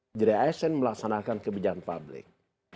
menjadi asn melaksanakan kebijakan publik